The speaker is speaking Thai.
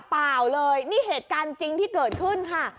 เปล่าเลยนี่เหตุการณ์จริงที่เกิดขึ้นค่ะ